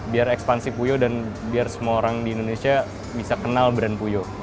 biar ekspansi puyo dan biar semua orang di indonesia bisa kenal brand puyo